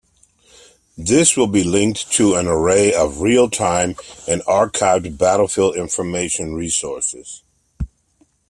These will be linked to an array of real-time and archived battlefield information resources.